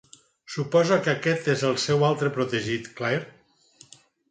Suposo que aquest és el seu altre protegit, Clare?